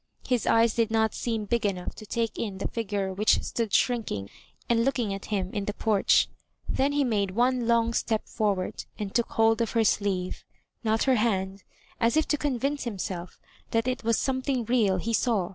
His eyes did not seem big enough to take in the figure which stood shrinking and looking at him in the porch. Then he made one long step forward, and took hold of her sleeve — ^not her hand — as if to convince himself that it was something real he saw.